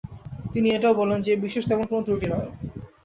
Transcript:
তিনি এটাও বলেন যে এ বিশেষ তেমন কোনো ত্রুটি নয়।